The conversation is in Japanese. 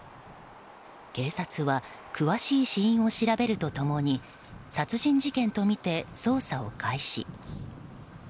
警察は詳しい死因を調べると共に殺人事件とみて捜査を開始。